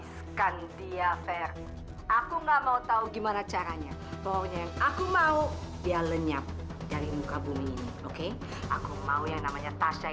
sampai jumpa di video selanjutnya